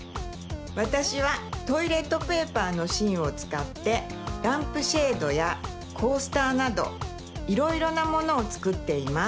わたしはトイレットペーパーのしんをつかってランプシェードやコースターなどいろいろなものをつくっています。